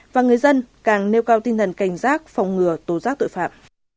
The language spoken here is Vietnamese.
và người dân càng nêu cao tinh thần cảnh giác phòng ngừa tố giác tội phạm